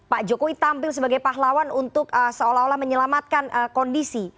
pak jokowi tampil sebagai pahlawan untuk seolah olah menyelamatkan kondisi